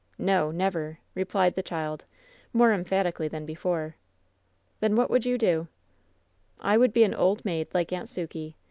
"No, never," replied the child, more emphatically than before. "Then what would you do?" "I would be an old maid, like Aunt Sukey.